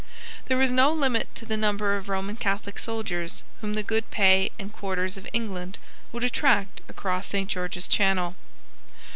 There was no limit to the number of Roman Catholic soldiers whom the good pay and quarters of England would attract across St. George's Channel.